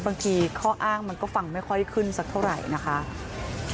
ข้ออ้างมันก็ฟังไม่ค่อยขึ้นสักเท่าไหร่นะคะ